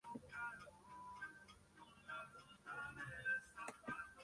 Son los restos de un cono volcánico colapsado.